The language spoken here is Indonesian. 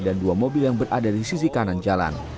dan dua mobil yang berada di sisi kanan jalan